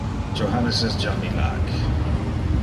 Johannes es jam illac.